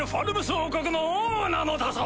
王国の王なのだぞ！